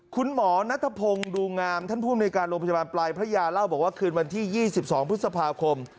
คุณหมอนัทพงศ์ดูงามท่านภูมิในการโรงพยาบาลปลายพระยาเล่าบอกว่าคืนวันที่๒๒พฤษภาคม